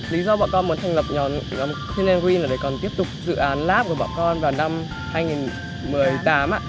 lý do bọn con muốn thành lập nhóm telegreen là để còn tiếp tục dự án lab của bọn con vào năm hai nghìn một mươi tám ạ